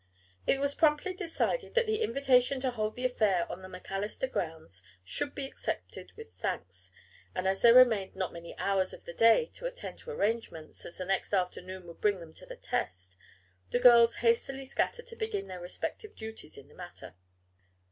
It was promptly decided that the invitation to hold the affair on the MacAllister grounds should be accepted with thanks, and as there remained not many hours of the day to attend to arrangements, as the next afternoon would bring them to the test, the girls hastily scattered to begin their respective duties in the matter.